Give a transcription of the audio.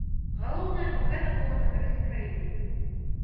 Галоўнае, каб гэта было на карысць краіне.